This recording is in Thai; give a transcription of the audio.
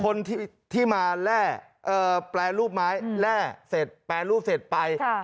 คนที่มาแร่แปรรูปไม้แร่เสร็จแปรรูปเสร็จไป